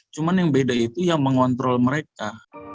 cuma yang beda itu yang mengontrol mereka